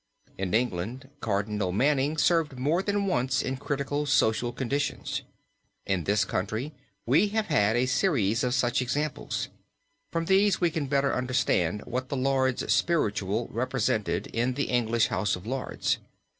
In England Cardinal Manning served more than once in critical social conditions. In this country we have had a series of such examples. From these we can better understand what the Lords spiritual represented in the English House of Lords.